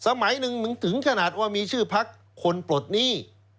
สมัยหนึ่งมึงถึงขนาดว่ามีชื่อพักคนปลดหนี้